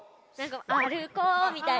あるこうみたいな。